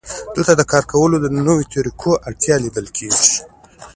دلته د کار کولو د نویو طریقو اړتیا لیدل کېږي